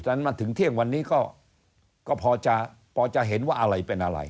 มาถึงเที่ยงวันนี้ก็พอจะเห็นว่าอะไรเป็นอะไร